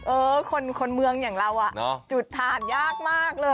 เออคนเมืองอย่างเราจุดทานยากมากเลย